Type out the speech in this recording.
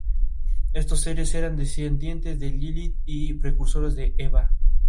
Respetó escrupulosamente la legalidad y la Constitución, inauguró la televisión en Bolivia.